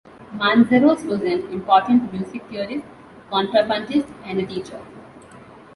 Mantzaros was an important music theorist, contrapuntist and teacher.